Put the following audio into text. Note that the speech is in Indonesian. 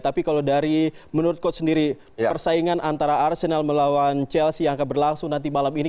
tapi kalau dari menurut coach sendiri persaingan antara arsenal melawan chelsea yang akan berlangsung nanti malam ini